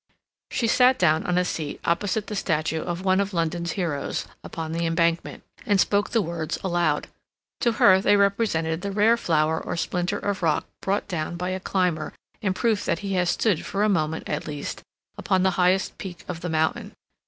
She sat down on a seat opposite the statue of one of London's heroes upon the Embankment, and spoke the words aloud. To her they represented the rare flower or splinter of rock brought down by a climber in proof that he has stood for a moment, at least, upon the highest peak of the mountain.